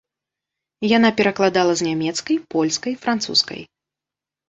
Яна перакладала з нямецкай, польскай, французскай.